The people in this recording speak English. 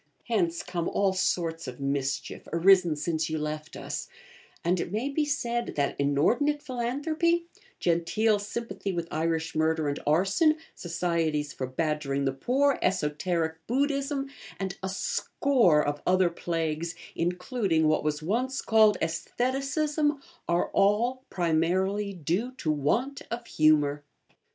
Hence come all sorts of mischief, arisen since you left us; and, it may be said, that inordinate philanthropy, genteel sympathy with Irish murder and arson, Societies for Badgering the Poor, Esoteric Buddhism, and a score of other plagues, including what was once called Aestheticism, are all, primarily, due to want of humour.